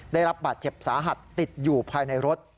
ได้รับบาดเจ็บสาหัสติดอยู่ภายในรถ